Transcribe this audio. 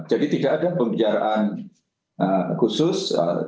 jadi tidak ada pembicaraan khusus